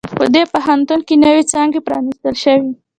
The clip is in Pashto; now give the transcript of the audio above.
په دې پوهنتون کې نوی څانګي پرانیستل شوي